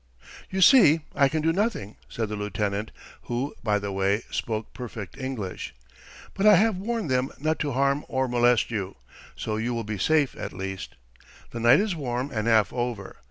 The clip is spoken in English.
"You see, I can do nothing," said the lieutenant, who, by the way, spoke perfect English. "But I have warned them not to harm or molest you, so you will be safe, at least. The night is warm and half over.